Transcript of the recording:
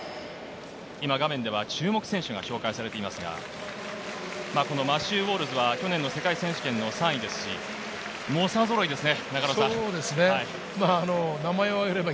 今画面では注目選手が紹介されていますが、マシューは世界選手権の３位ですし、猛者ぞろいですね。